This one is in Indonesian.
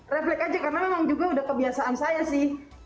refleks aja karena memang juga udah kebiasaan saya sih